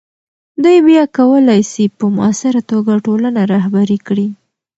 دوی بیا کولی سي په مؤثره توګه ټولنه رهبري کړي.